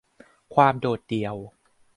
ความโดดเดี่ยว